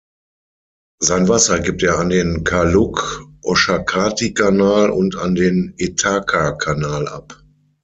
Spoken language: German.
Sein Wasser gibt er an den Calueque-Oshakati-Kanal und an den Etaka-Kanal ab.